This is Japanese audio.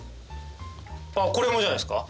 これもじゃないですか？